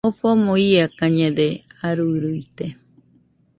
Jofomo iakañede, aruiruite